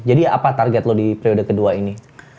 apa target lo di periode kedua ini